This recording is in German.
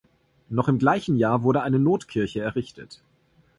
Noch im gleichen Jahr wurde eine Notkirche errichtet.